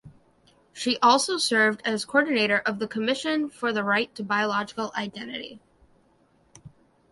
She also served as coordinator of the Commission for the Right to Biological Identity.